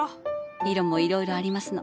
色もいろいろありますの。